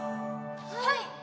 はい。